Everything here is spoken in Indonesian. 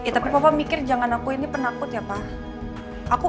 tapi papa mikir jangan aku ini penakut ya pak